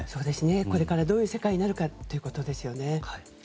これから、どういう世界になるかということですよね。